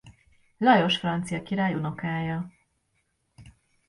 Lajos francia király unokája.